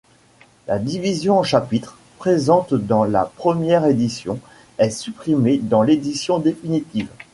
La division en chapitres, présente dans la première édition, est supprimée dans l'édition définitive.